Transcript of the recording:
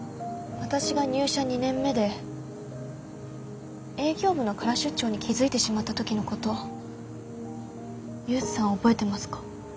私が入社２年目で営業部の空出張に気付いてしまった時のこと勇さん覚えてますか？